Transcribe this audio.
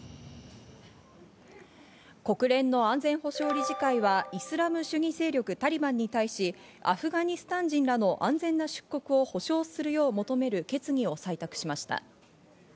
国連の安全保障理事会はイスラム主義勢力・タリバンに対しアフガニスタン人らの安全な出国を保障するよう求める決議を採択しました。